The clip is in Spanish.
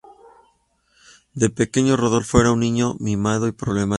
De pequeño, Rodolfo era un niño mimado y problemático.